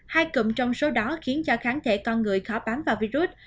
hai cụm trong số đó khiến cho kháng thể con người khó bám vào virus